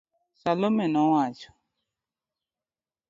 Salome nowacho